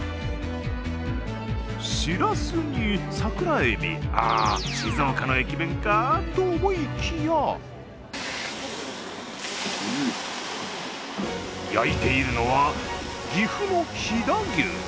しらすに、桜えび、あ、静岡の駅弁かと思いきや焼いているのは、岐阜の飛騨牛。